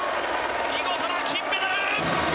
見事な金メダル！